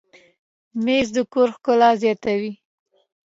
مېز د کور ښکلا زیاتوي.